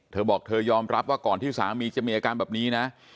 เธอบอกเธอยอมรับว่าก่อนที่สามีจะมีอาการแบบนี้นะ